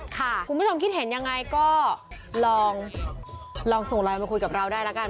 คุณผู้ชมคิดเห็นยังไงก็ลองส่งไลน์มาคุยกับเราได้แล้วกัน